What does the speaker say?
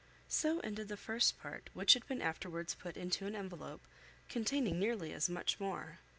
So ended the first part, which had been afterwards put into an envelope, containing nearly as much more.